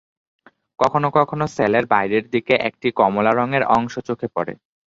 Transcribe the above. কখনো কখনো সেলের বাইরের দিকে একটি কমলা রঙের অংশ চোখে পড়ে।